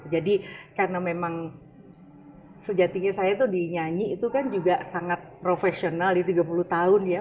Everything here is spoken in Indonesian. jadi karena memang sejatinya saya tuh dinyanyi itu kan juga sangat profesional ya tiga puluh tahun ya